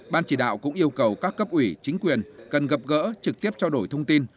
ban chỉ đạo cũng yêu cầu các cấp ủy chính quyền cần gặp gỡ trực tiếp trao đổi thông tin